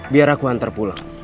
biar aku hantar pulang